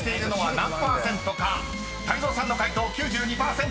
［泰造さんの解答９２％。